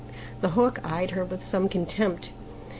The Hawk eyed her with some contempt.